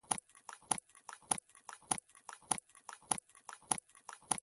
پر تجارتي عوایدو کلکه تکیه کړې وه.